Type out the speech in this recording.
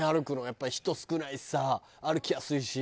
やっぱり人少ないしさ歩きやすいし。